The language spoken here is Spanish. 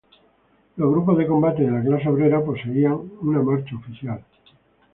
Los Grupos de Combate de la Clase Obrera poseían una marcha oficial.